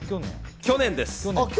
去年です。